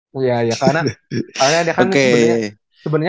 karena dia kan sebenernya